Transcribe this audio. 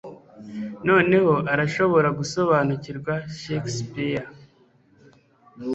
noneho arashobora gusobanukirwa shakespeare